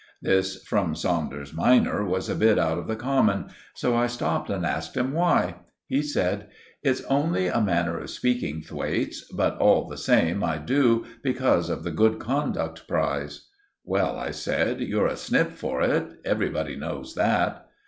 This, from Saunders minor, was a bit out of the common, so I stopped and asked him why. He said— "It's only a manner of speaking, Thwaites; but, all the same, I do, because of the Good Conduct Prize." "Well," I said, "you're a snip for it; everybody knows that."